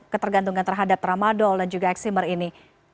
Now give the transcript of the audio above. ketergantungan terhadap tramadol dan juga eksimer ini